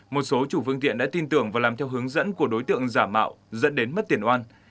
một số chủ phương tiện đã tin tưởng và làm theo hướng dẫn của đối tượng giả mạo dẫn đến mất tiền oan